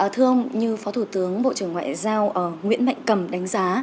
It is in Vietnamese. thưa ông như phó thủ tướng bộ trưởng ngoại giao nguyễn mạnh cầm đánh giá